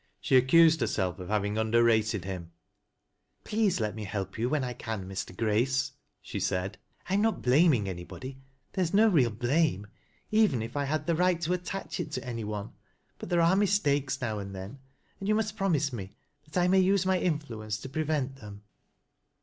She accused herself of having underrated him. "Please let me help you when I can, Mr. Grace," sl'e said ;" I am not blaming anybody— there is no real blame, even if I had the right to attach it to a ny one; but there are mistakes now and then, and you must promise me that I may use my influence to prevent fchem."